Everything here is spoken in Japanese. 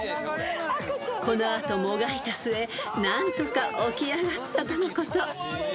［この後もがいた末何とか起き上がったとのこと］